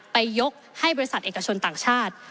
ยกให้บริษัทเอกชนต่างชาติ